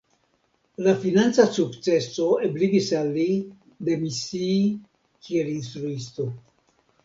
La financa sukceso ebligis al li demisii kiel instruisto.